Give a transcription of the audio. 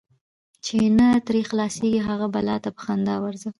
چی نه ترې خلاصیږې، هغی بلا ته په خندا ورځه .